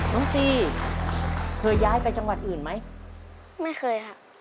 น้องซีเธอย้ายไปจังหวัดอื่นไหมไม่เคยครับ